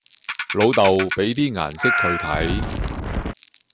老竇，畀啲顏色佢哋睇